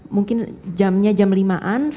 mungkin jamnya jam lima an